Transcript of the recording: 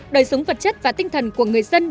đời sống vật chất và tinh thần của người dân